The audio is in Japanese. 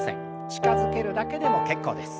近づけるだけでも結構です。